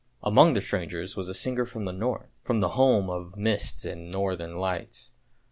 Among the strangers was a singer from the North, from the home of mists and northern lights.